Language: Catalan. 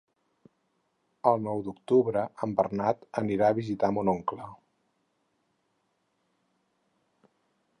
El nou d'octubre en Bernat anirà a visitar mon oncle.